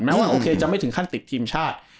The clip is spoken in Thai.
ว่าโอเคจะไม่ถึงขั้นติดทีมชาติ